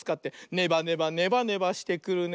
ネバネバネバネバしてくるね。